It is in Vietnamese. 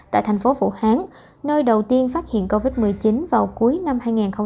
tại thành phố vũ hán nơi đầu tiên phát hiện covid một mươi chín vào cuối năm hai nghìn hai mươi